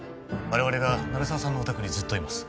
我々が鳴沢さんのお宅にずっといます